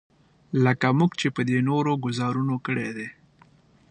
لکه موږ چې په دې نورو ګوزارونو کړی دی.